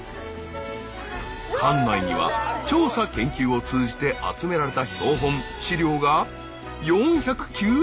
館内には調査研究を通じて集められた